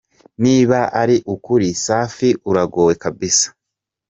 Niba ari ukuri safi uragowe kbsa ".